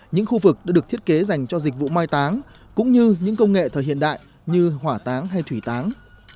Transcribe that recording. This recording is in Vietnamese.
những khu vực đã được thiết kế dành cho dịch vụ mai táng cũng như những công nghệ thời hiện đại như hỏa táng hay thủy táng